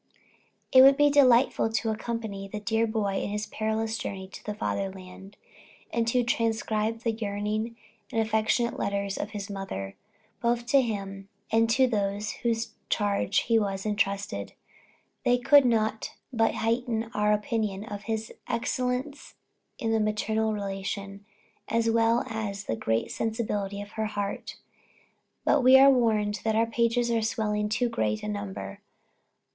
It would be delightful to accompany the dear boy in his perilous journey to the Father land, and to transcribe the yearning and affectionate letters of his mother, both to him, and to those to whose charge he was entrusted they could not but heighten our opinion of her excellence in the maternal relation, as well as of the great sensibility of her heart; but we are warned that our pages are swelling to too great a number.